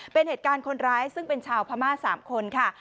เป็นเหตุการณ์คนร้ายซึ่งเป็นชาวพม่า๓คนค่ะ